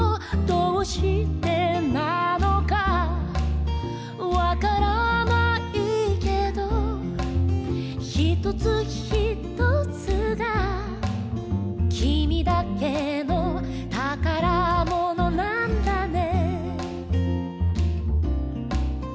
「どうしてなのかわからないけど」「ひとつひとつがきみだけのたからものなんだね」